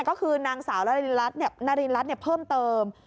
ก็คือนางสาวนาริรัฐเพิ่มเติม